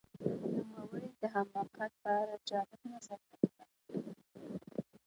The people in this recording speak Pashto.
نوموړي د حماقت په اړه جالب نظریات وړاندې کړل.